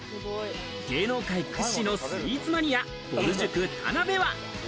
芸能界屈指のスイーツマニア、ぼる塾・田辺は。